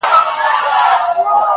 • زړه مي د اشنا په لاس کي وليدی ـ